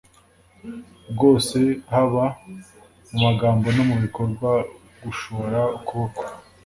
bwose haba mu magambo no mu bikorwa gushora ukuboko